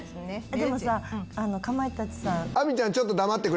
でもさかまいたちさん。